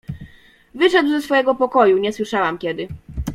"Wyszedł ze swojego pokoju, nie słyszałam kiedy."